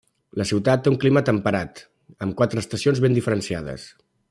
La ciutat té un clima temperat amb quatre estacions ben diferenciades.